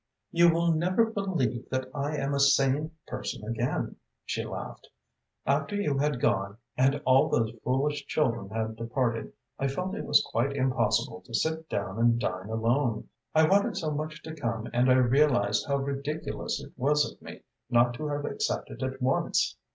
"You will never believe that I am a sane person again," she laughed. "After you had gone, and all those foolish children had departed, I felt it was quite impossible to sit down and dine alone. I wanted so much to come and I realised how ridiculous it was of me not to have accepted at once.